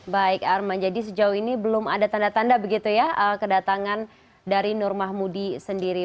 baik arman jadi sejauh ini belum ada tanda tanda begitu ya kedatangan dari nur mahmudi sendiri